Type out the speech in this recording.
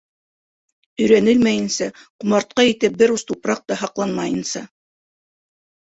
Өйрәнелмәйенсә, ҡомартҡы итеп бер ус тупраҡ та һаҡланмайынса...